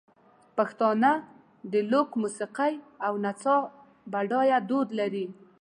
پښتانه د لوک موسیقۍ او نڅا بډایه دود لري.